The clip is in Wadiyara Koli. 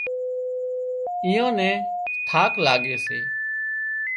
ايئان نين ٿاڪ لاڳي سي